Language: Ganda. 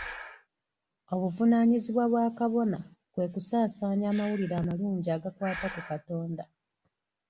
Obuvunaanyizibwa bwa kabona kwe kusaasaanya amawulire amalungi agakwata ku katonda.